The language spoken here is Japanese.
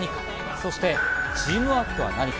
そしてチームワークとは何か？